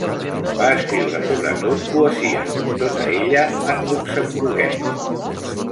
Va escriure sobretot poesia, tota ella en luxemburguès.